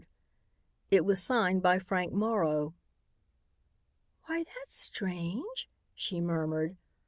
It was signed by Frank Morrow. "Why, that's strange!" she murmured.